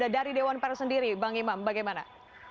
dari dewan pers sendiri bang imam bagaimana